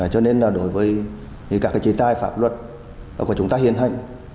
cho nên đối với các chế tài phạm luật của chúng ta hiện hành